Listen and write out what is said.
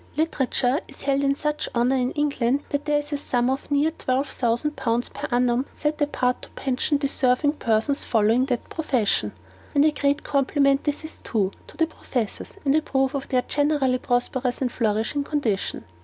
Literature is held in such honour in England, that there is a sum of near twelve hundred pounds per annum set apart to pension deserving persons following that profession. And a great compliment this is, too, to the professors, and a proof of their generally prosperous and flourishing condition.